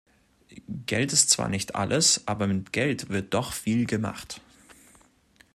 Geld ist zwar nicht alles, aber mit Geld wird doch viel gemacht.